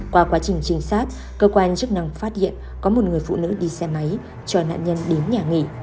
qua quá trình trinh sát cơ quan chức năng phát hiện có một người phụ nữ đi xe máy cho nạn nhân đến nhà nghỉ